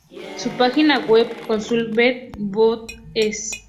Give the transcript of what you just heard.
Su página web: consuelom.bubok.es